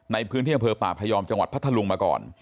ในพื้นที่อำเภอป่าพยอมจังหวัดพัทธลุงมาก่อน